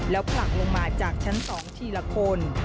แล้วผลักลงมาจากชั้น๒ทีละคน